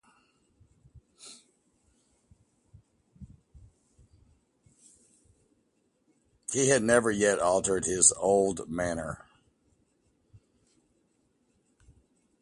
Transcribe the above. He had never yet altered his old manner.